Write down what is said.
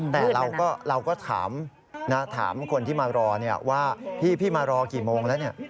แต่เราก็ถามคนที่มารอว่าพี่มารอกี่โมงแล้วเนี่ย